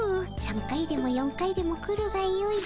３回でも４回でも来るがよい。